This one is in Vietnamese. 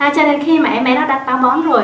cho nên khi mà em bé nó đã táo bón rồi